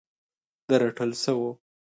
د رټل شوو